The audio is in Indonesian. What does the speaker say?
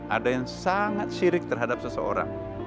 ada yang sangat syirik terhadap seseorang